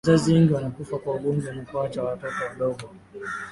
wazazi wengi wanakufa kwa ugonjwa na kuacha watoto wadogo